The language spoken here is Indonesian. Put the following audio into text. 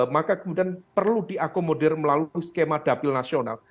maka kemudian perlu diakomodir melalui skema dapil nasional